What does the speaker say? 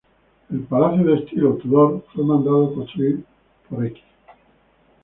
El palacio, de estilo Tudor, fue mandado a construir por Mr.